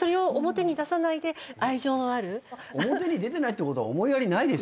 表に出てないってことは思いやりないですよ。